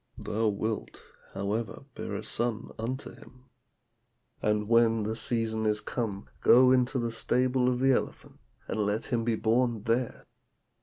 Thou wilt, however, bear a son unto him. And when the season is come, go into the stable of the elephant, and let him be born there.